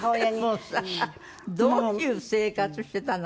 もうさどういう生活してたの？